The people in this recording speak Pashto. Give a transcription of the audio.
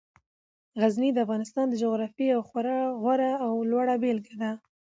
غزني د افغانستان د جغرافیې یوه خورا غوره او لوړه بېلګه ده.